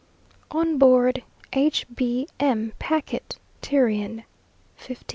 ON BOARD H. B. M. PACKET TYRIAN, 15th.